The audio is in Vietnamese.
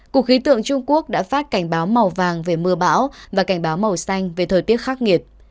cục khí tượng trung quốc đã phát cảnh báo màu vàng về mưa bão và cảnh báo màu xanh về thời tiết khắc nghiệt